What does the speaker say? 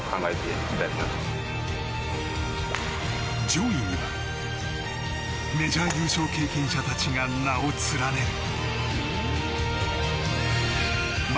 上位にはメジャー優勝経験者たちが名を連ねる。